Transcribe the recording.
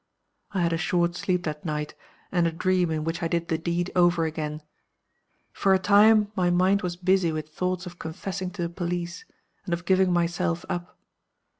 "I had a short sleep that night, and a dream, in which I did the deed over again. For a time my mind was busy with thoughts of confessing to the police, and of giving myself up.